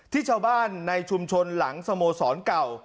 ที่ชาวบ้านในชุมชนหลังสโมสรเก่า